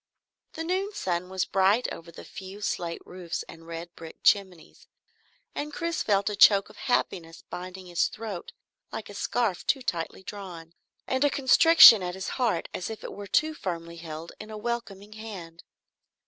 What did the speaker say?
The noon sun was bright over the few slate roofs and red brick chimneys, and Chris felt a choke of happiness binding his throat like a scarf too tightly drawn, and a constriction at his heart as if it were too firmly held in a welcoming hand.